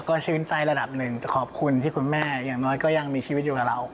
ก็ชื่นใจระดับหนึ่งแต่ขอบคุณที่คุณแม่อย่างน้อยก็ยังมีชีวิตอยู่กับเรา